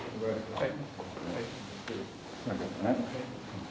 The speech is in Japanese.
はい。